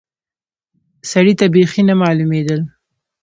سړي ته بيخي نه معلومېدل.